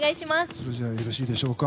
それじゃあよろしいでしょうか。